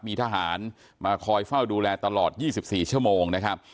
มีทหารมาคอยเฝ้าดูแลตลอด๒๔ชั่วโมงนะครับ